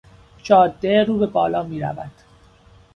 جاده رو به بالا میرود.